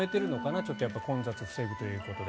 ちょっと混雑を防ぐということで。